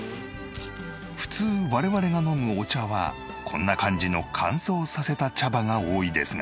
普通我々が飲むお茶はこんな感じの乾燥させた茶葉が多いですが。